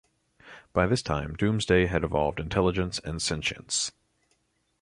By this time, Doomsday had evolved intelligence and sentience.